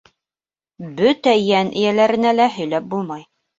Бөтә йән эйәләренә лә һөйләп булмай.